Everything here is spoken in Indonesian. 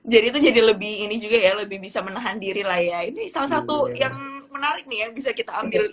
jadi itu jadi lebih ini juga ya lebih bisa menahan diri lah ya ini salah satu yang menarik nih yang bisa kita ambil idenya